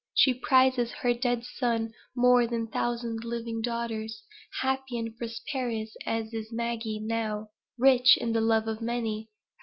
She prizes her dead son more than a thousand living daughters, happy and prosperous as is Maggie now rich in the love of many.